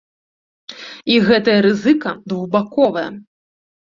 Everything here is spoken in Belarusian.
І гэтая рызыка двухбаковая.